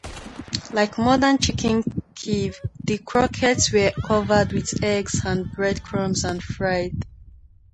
Like modern chicken Kiev, the croquettes were covered with eggs and breadcrumbs and fried.